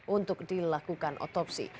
untuk dilakukan otopsi